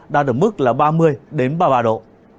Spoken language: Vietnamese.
đã được mức là ba mươi ba mươi ba độ